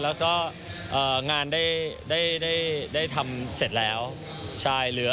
แล้วก็เอ่างานได้ได้ได้ได้ทำเสร็จแล้วใช่เหลือ